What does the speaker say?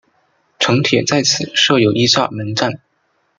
城铁在此设有伊萨尔门站。